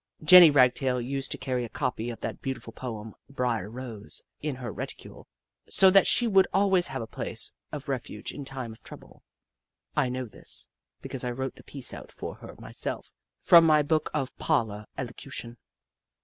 Jenny Ragtail used to carry a copy of that beautiful poem, Brier Rose, in her reticule, so that she would al ways have a place of refuge in time of trouble. I know this, because I wrote the piece out for her myself from my book of Parlour Elocution.